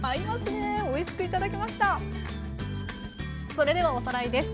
それではおさらいです。